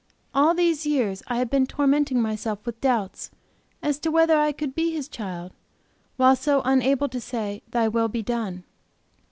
All these years I have been tormenting myself with doubts, as to whether I could be His child while so unable to say, Thy will be done.